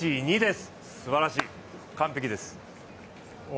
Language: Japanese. すばらしい、完璧です。